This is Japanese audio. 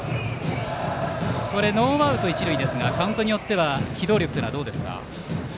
ノーアウト一塁ですがカウントによっては機動力というのはどうですか。